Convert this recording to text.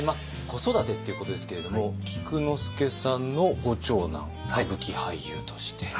子育てっていうことですけれども菊之助さんのご長男歌舞伎俳優として。